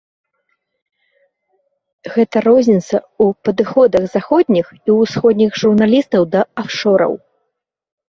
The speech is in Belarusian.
Гэта розніца ў падыходах заходніх і ўсходніх журналістаў да афшораў.